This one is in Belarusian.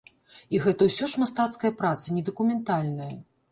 І гэта ўсё ж мастацкая праца, не дакументальная.